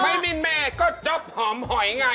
ไม่มิลเมดก็จอบหอมหอยไง